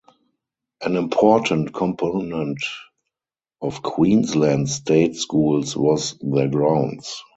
An important component of Queensland state schools was their grounds.